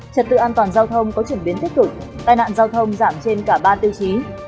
trật tự an toàn giao thông có chuyển biến tích cực tai nạn giao thông giảm trên cả ba tiêu chí